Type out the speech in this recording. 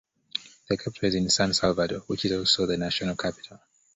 The capital is San Salvador, which is also the national capital.